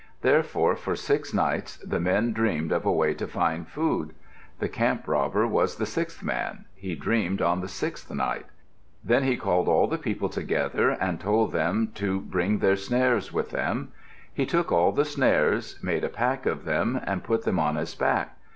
Therefore for six nights the men dreamed of a way to find food. The camp robber was the sixth man. He dreamed on the sixth night. Then he called all the people together and told them to bring their snares with them. He took all the snares, make a pack of them, and put them on his back.